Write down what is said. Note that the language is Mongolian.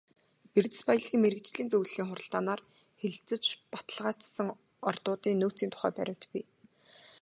Эрдэс баялгийн мэргэжлийн зөвлөлийн хуралдаанаар хэлэлцэж баталгаажсан ордуудын нөөцийн тухай баримт бий.